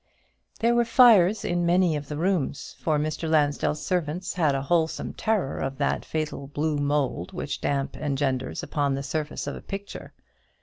There were fires in many of the rooms, for Mr. Lansdell's servants had a wholesome terror of that fatal blue mould which damp engenders upon the surface of a picture.